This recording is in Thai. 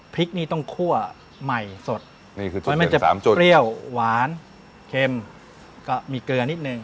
พริกนี่ต้องคั่วใหม่สดเปรี้ยวหวานเค็มก็มีเกลือนิดนึง